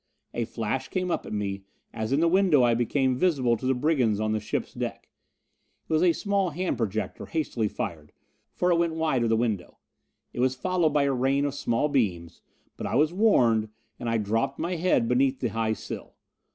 A flash came up at me, as in the window I became visible to the brigands on the ship's deck. It was a small hand projector, hastily fired, for it went wide of the window. It was followed by a rain of small beams, but I was warned and I dropped my head beneath the high sill.